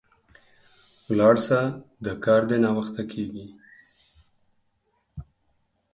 ولاړ سه، د کار دي ناوخته کیږي